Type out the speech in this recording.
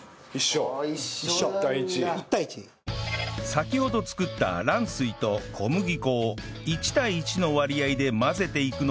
先ほど作った卵水と小麦粉を１対１の割合で混ぜていくのですが